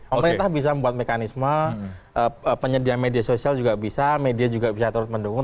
pemerintah bisa membuat mekanisme penyedia media sosial juga bisa media juga bisa terus mendukung